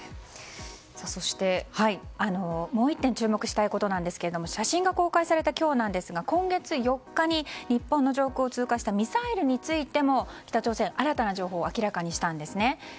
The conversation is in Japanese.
そして、もう１点注目したいことなんですが写真が公開された今日ですが今月４日に日本の上空を通過したミサイルについても北朝鮮、新たな情報を明らかにしたんですね。